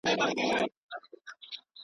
د منصوري قسمت مي څو کاڼي لا نور پاته دي.